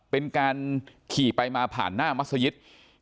เป็นการขี่ไปมาผ่านหน้ามัศยิต